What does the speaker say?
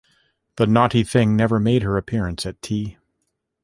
The naughty thing never made her appearance at tea.